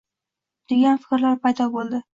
degan fikrlar paydo bo‘ldi.